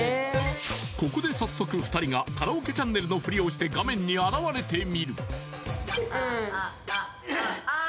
ここで早速２人がカラオケチャンネルのフリをして画面に現れてみるあー